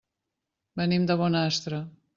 Venim de Bonastre.